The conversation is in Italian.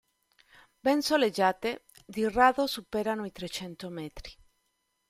Ben soleggiate, di rado superano i trecento metri.